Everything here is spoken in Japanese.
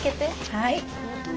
はい。